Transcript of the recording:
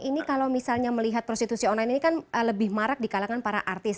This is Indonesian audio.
ini kalau misalnya melihat prostitusi online ini kan lebih marak di kalangan para artis